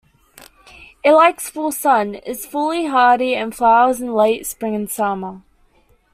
It likes full sun, is fully hardy and flowers in late spring and summer.